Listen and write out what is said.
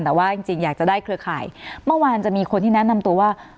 แต่ว่าจริงอยากจะได้เครือข่ายเมื่อวานจะมีคนที่แนะนำตัวว่า